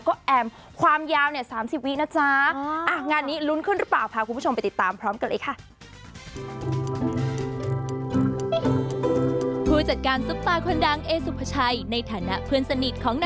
ค่ะแค่นั้นนิดเดียวเลยค่ะ